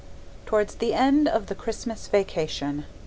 Towards the end of the Christmas vacation.